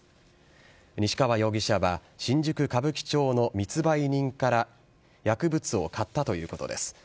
西川容疑者は新宿・歌舞伎町の密売人から薬物を買ったということです。